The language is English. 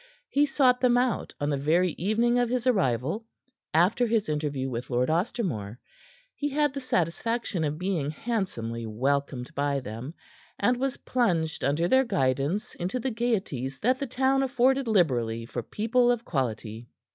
He sought them out on the very evening of his arrival after his interview with Lord Ostermore. He had the satisfaction of being handsomely welcomed by them, and was plunged under their guidance into the gaieties that the town afforded liberally for people of quality.